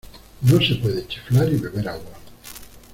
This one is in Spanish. No se puede chiflar y beber agua.